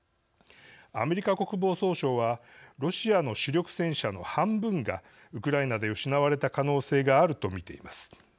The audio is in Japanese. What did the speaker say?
アメリカ国防総省はロシアの主力戦車の半分がウクライナで失われた可能性があると見ています。